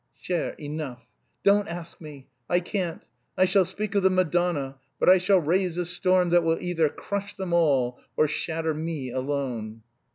"Chère, enough. Don't ask me. I can't. I shall speak of the Madonna, but I shall raise a storm that will either crush them all or shatter me alone."